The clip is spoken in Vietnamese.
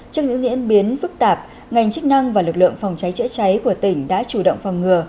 trước những diễn biến phức tạp ngành chức năng và lực lượng phòng cháy chữa cháy của tỉnh đã chủ động phòng ngừa